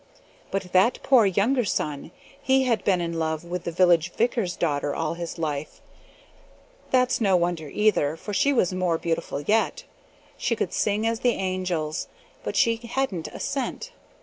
"But that poor younger son, he had been in love with the village vicar's daughter all his life. That's no wonder either, for she was more beautiful yet. She could sing as the angels, but she hadn't a cent.